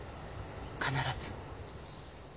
必ず。